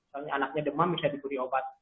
kalau anaknya demam bisa dipulih obat